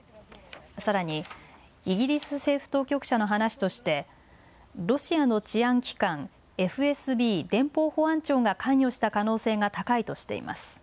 さらに、イギリス政府当局者の話としてロシアの治安機関ＦＳＢ、連邦保安庁が関与した可能性が高いとしています。